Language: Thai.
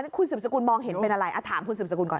คุณสืบสกุลมองเห็นเป็นอะไรถามคุณสืบสกุลก่อน